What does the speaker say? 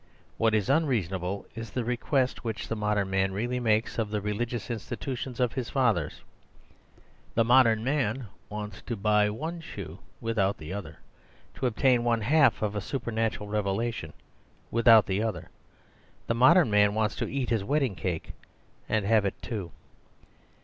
What is unreasonable is the request which the mod ern man really makes of the religious institu tions of his fathers. The modern man wants to buy one shoe without the other; to obtain one half of a supernatural revelation without the other. The modern man wants to eat his wedding cake and have it, too.